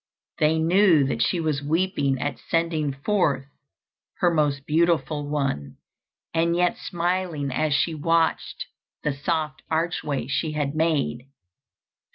They knew that she was weeping at sending forth her most beautiful one, and yet smiling as she watched the soft archway she had made.